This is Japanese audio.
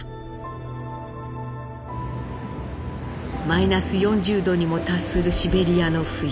マイナス４０度にも達するシベリアの冬。